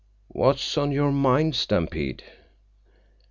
"What's on your mind, Stampede?"